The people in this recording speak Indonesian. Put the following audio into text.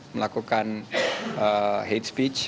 melakukan hate speech